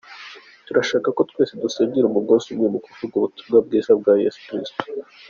Turashaka ko twese dusenyera umugozi umwe mu kuvuga ubutumwa bwiza bwa Yesu Kristo”.